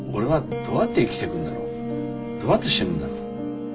どうやって死ぬんだろう？